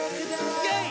イェイ！